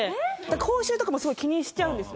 口臭とかもすごい気にしちゃうんですね